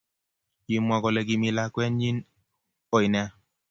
kimwa kole kimii lakwenyin ooi neya